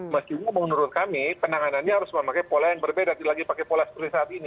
mestinya menurut kami penanganannya harus memakai pola yang berbeda tidak lagi pakai pola seperti saat ini